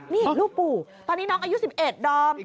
นี่ลูกปู่ตอนนี้น้องอายุ๑๑ดอม